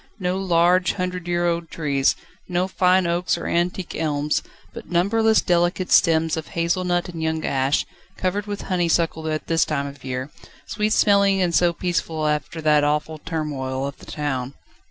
No large, hundred year old trees, no fine oaks or antique elms, but numberless delicate stems of hazel nut and young ash, covered with honeysuckle at this time of year, sweet smelling and so peaceful after that awful turmoil of the town.